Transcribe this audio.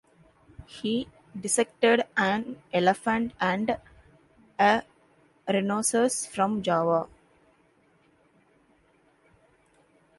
He dissected an elephant, and a rhinoceros from Java.